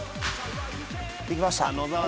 できました。